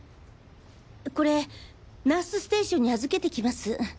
これナースステーションに預けてきます。